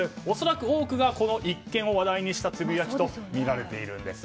多くがこの一件を話題にしたつぶやきとみられているんです。